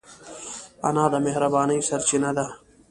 انا د مهربانۍ سرچینه ده